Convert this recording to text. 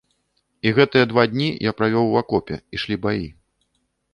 І гэтыя два дні я правёў у акопе, ішлі баі.